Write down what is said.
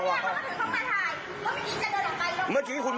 ด้วยความเคารพนะคุณผู้ชมในโลกโซเชียล